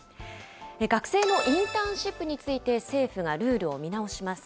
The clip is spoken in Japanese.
学生のインターンシップについて、政府がルールを見直します。